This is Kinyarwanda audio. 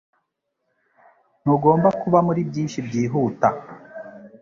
Ntugomba kuba muri byinshi byihuta.